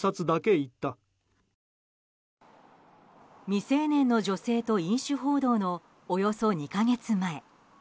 未成年の女性と飲酒報道のおよそ２か月前。